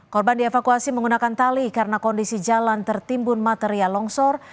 korban dievakuasi menggunakan tali karena kondisi jalan tertimbun material longsor